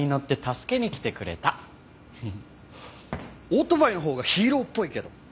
オートバイのほうがヒーローっぽいけど。